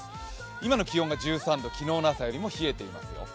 今の気温が１３度、昨日の朝より冷えてますよ。